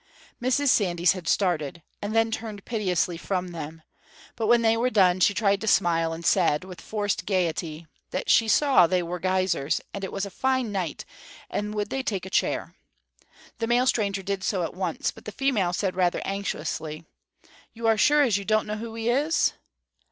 Mrs. Sandys had started, and then turned piteously from them; but when they were done she tried to smile, and said, with forced gayety, that she saw they were guisers, and it was a fine night, and would they take a chair. The male stranger did so at once, but the female said, rather anxiously: "You are sure as you don't know who we is?"